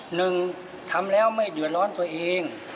หนึ่งทำแล้วไม่เดือดร้อนตัวเอง